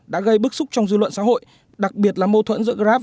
đã gây bức xúc trong dư luận xã hội đặc biệt là mâu thuẫn giữa grab